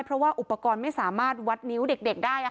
เพราะว่าอุปกรณ์ไม่สามารถวัดนิ้วเด็กได้